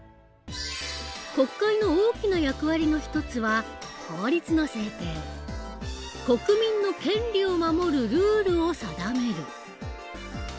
国会の大きな役割の一つは国民の権利を守るルールを定める。